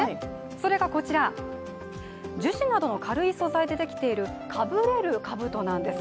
それがこちら、樹脂などの軽い素材でできている、かぶれるかぶとなんです。